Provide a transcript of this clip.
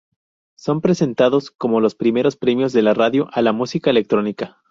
Son presentados como "los primeros premios de la radio a la música electrónica".